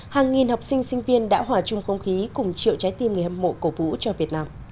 hàng nghìn học sinh sinh viên đã hòa chung không khí cùng triệu trái tim người hâm mộ cổ vũ cho việt nam